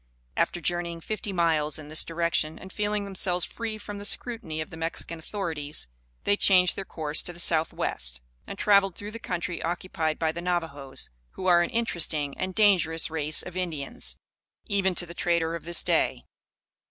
After journeying fifty miles in this direction, and feeling themselves free from the scrutiny of the Mexican authorities, they changed their course to the southwest, and travelled through the country occupied by the Navajoes, who are an interesting and dangerous race of Indians, even to the trader of this day.